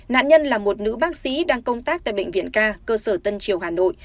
nạn nhân là một nữ bác sĩ đang công tác tại bệnh viện ca cơ sở tân triều hà nội